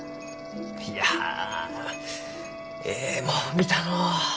いやえいもんを見たのう。